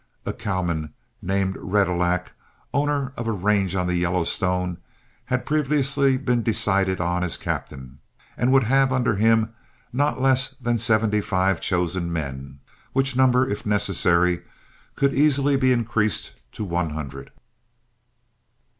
A cowman named Retallac, owner of a range on the Yellowstone, had previously been decided on as captain, and would have under him not less than seventy five chosen men, which number, if necessary, could easily be increased to one hundred.